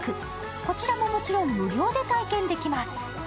こちらももちろん、無料で体験できます。